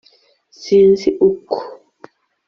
sinzi uko